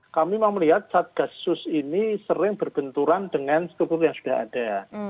kami mau melihat satgas sus ini sering berbenturan dengan struktur yang sudah ada